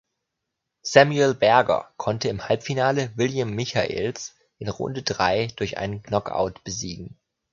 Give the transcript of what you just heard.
Samuel Berger konnte im Halbfinale William Michaels in Runde drei durch einen Knockout besiegen.